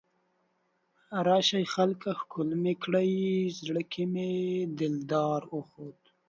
راشئ خلکه ښکل مې کړئ، زړه کې مې دلدار اوخوت